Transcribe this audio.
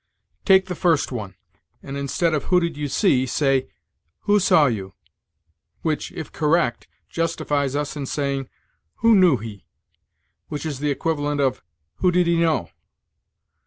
Take the first one, and, instead of "Who did you see?" say, "Who saw you?" which, if correct, justifies us in saying, "Who knew he," which is the equivalent of "Who did he know?"